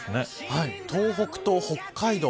東北と北海道